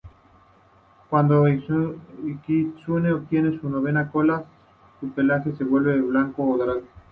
Cuando un kitsune obtiene su novena cola, su pelaje se vuelve blanco o dorado.